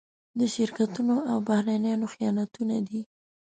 د شرکتونو او بهرنيانو خیانتونه دي.